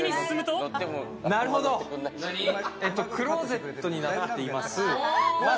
クローゼットになっています。